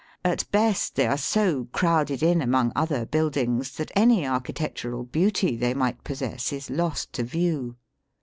At best, they are so crowded in among other buildings that any architectural beauty they might possess is lost to view.